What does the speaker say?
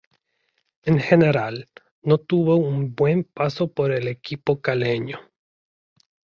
En general, no tuvo un buen paso por el equipo caleño.